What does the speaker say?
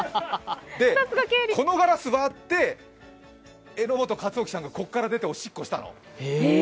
で、このガラスを割って、榎本勝起がここから出ておしっこしたの。